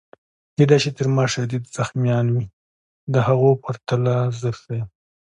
کیدای شي تر ما شدید زخمیان وي، د هغو په پرتله زه ښه یم.